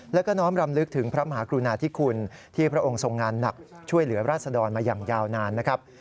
แล้วก็น้อมรำลึกถึงพระมหากรุณาธิคุณที่พระองค์ทรงงานหนักช่วยเหลือราชดรมาอย่างยาวนานนะครับ